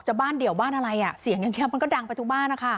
บ้านเดี่ยวบ้านอะไรอ่ะเสียงอย่างนี้มันก็ดังไปทุกบ้านนะคะ